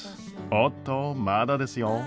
おっとまだですよ。